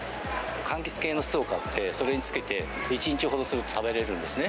かんきつ系の酢を買って、それに漬けて、１日ほどすると食べれるんですね。